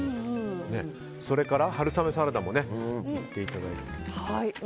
それから、春雨サラダも行っていただいて。